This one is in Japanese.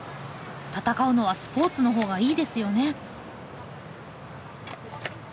闘うのはスポーツの方がいいですよね。